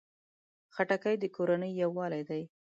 خټکی د کورنۍ یووالي ده.